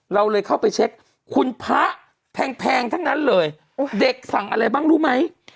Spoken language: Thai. เราเลยเข้าไปเช็คคุณพระแพงทั้งนั้นเลยเด็กสั่งอะไรบ้างรู้ไหม